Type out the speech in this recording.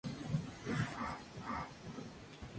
Mitt Romney y Michele Bachmann no participaron.